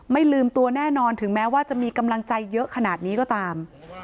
ไม่ลืมตัวแน่นอนถึงแม้ว่าจะมีกำลังใจเยอะขนาดนี้ก็ตาม